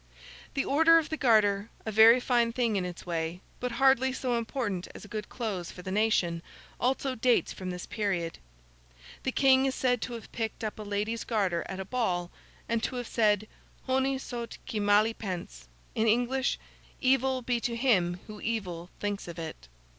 The Order of the Garter (a very fine thing in its way, but hardly so important as good clothes for the nation) also dates from this period. The King is said to have picked 'up a lady's garter at a ball, and to have said, Honi soit qui mal y pense—in English, 'Evil be to him who evil thinks of it.